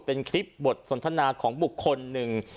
เป็นคลิปบทสนทนาของบุคคลหนึ่ง